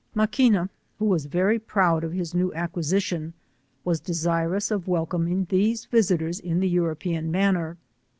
Maquina, who was very proud of his Dew ac quisition, was desirous of welcoming these visitors in the European manner.